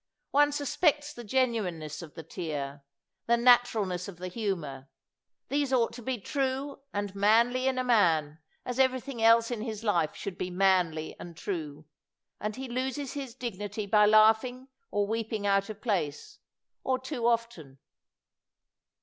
One suspects the genuineness of the tear, the naturalness of the humor; these ought to be 205 THE WORLD'S FAMOUS ORATIONS true and manly in a man, as everything else in his life should be manly and true; and he loses his dignity by laughing or weeping out of place, or too often.